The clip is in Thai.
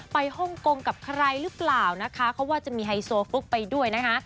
ฮ่องกงกับใครหรือเปล่านะคะเขาว่าจะมีไฮโซฟลุกไปด้วยนะคะ